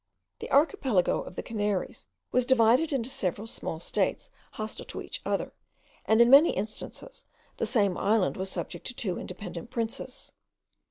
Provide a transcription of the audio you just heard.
The archipelago of the Canaries was divided into several small states hostile to each other, and in many instances the same island was subject to two independent princes.